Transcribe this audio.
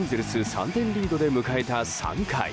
３点リードで迎えた３回。